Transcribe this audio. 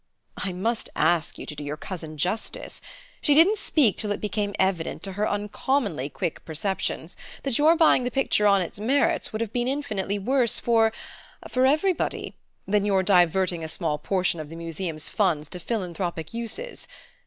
"I must ask you to do your cousin justice. She didn't speak till it became evident to her uncommonly quick perceptions that your buying the picture on its merits would have been infinitely worse for for everybody than your diverting a small portion of the Museum's funds to philanthropic uses.